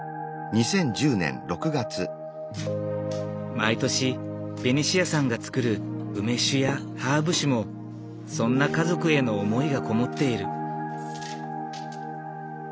毎年ベニシアさんがつくる梅酒やハーブ酒もそんな家族への思いがこもっている。